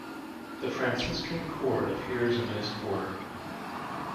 The Franciscan cord appears in this quarter.